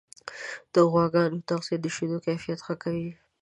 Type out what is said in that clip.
د غواګانو تغذیه د شیدو کیفیت ښه کوي.